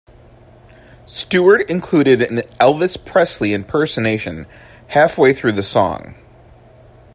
Stewart included an Elvis Presley impersonation half way through the song.